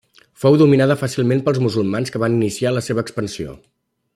Fou dominada fàcilment pels musulmans quan van iniciar la seva expansió.